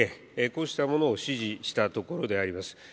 こうしたものを指示したところであります。